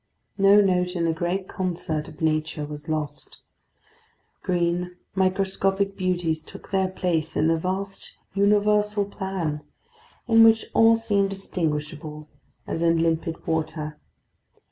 No note in the great concert of nature was lost. Green microscopic beauties took their place in the vast universal plan in which all seemed distinguishable as in limpid water.